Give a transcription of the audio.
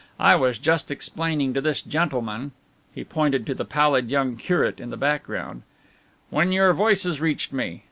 I was just explaining to this gentleman" he pointed to the pallid young curate in the background "when your voices reached me.